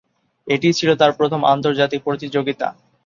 এটিই ছিল তার প্রথম আন্তর্জাতিক প্রতিযোগিতা।